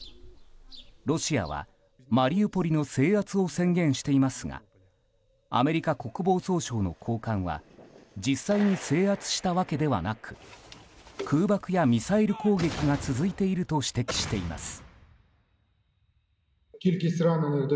ロシアは、マリウポリの制圧を宣言していますがアメリカ国防総省の高官は実際に制圧したわけではなく空爆やミサイル攻撃が続いていると指摘しています。